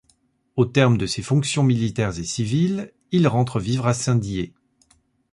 Au terme de ses fonctions militaires et civiles, il rentre vivre à Saint-Dié.